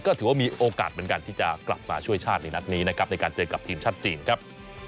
ก็ถือว่ามีโอกาสเหมือนกันที่จะกลับมาช่วยชาติในนัดนี้นะครับในการเจอกับทีมชาติจีนครับ